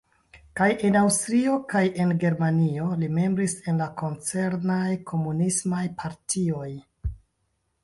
Kaj en Aŭstrio kaj en Germanio li membris en la koncernaj Komunismaj Partioj.